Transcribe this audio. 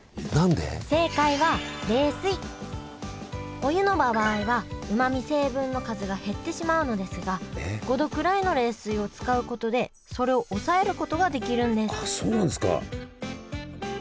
お湯の場合はうまみ成分の数が減ってしまうのですが５℃くらいの冷水を使うことでそれを抑えることができるんですそうなんですか。